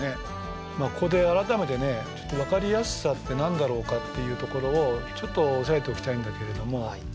まあここで改めてね分かりやすさって何だろうかっていうところをちょっと押さえておきたいんだけれども。